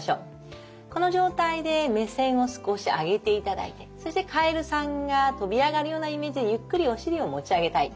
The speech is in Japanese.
この状態で目線を少し上げていただいてそしてカエルさんが跳び上がるようなイメージでゆっくりお尻を持ち上げたい。